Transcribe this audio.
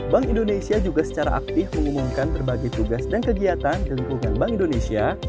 bank indonesia juga secara aktif mengumumkan berbagai tugas dan kegiatan di lingkungan bank indonesia